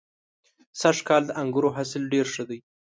سږ کال د انګورو حاصل ډېر ښه دی.